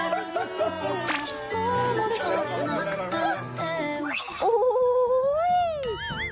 โอ๊ยไม่เป็นไร